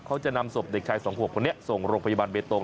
เขาจะนำศพเด็กชายสองขวบคนนี้ส่งโรงพยาบาลเบตง